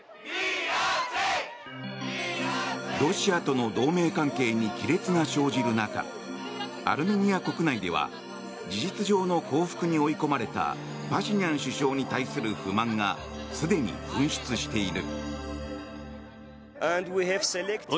ロシアとの同盟関係に亀裂が生じる中アルメニア国内では事実上の降伏に追い込まれたパシニャン首相に対する不満がすでに噴出している。